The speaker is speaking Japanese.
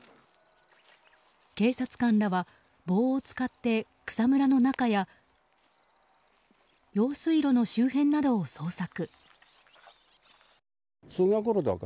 警察官らは棒を使って草むらの中や用水路の周辺などを捜索。